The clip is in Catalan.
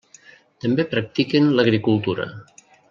També practiquen l'agricultura.